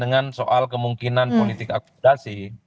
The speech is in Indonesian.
dengan soal kemungkinan politik akomodasi